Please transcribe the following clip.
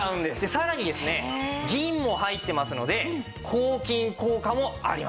さらにですね銀も入ってますので抗菌効果もあります。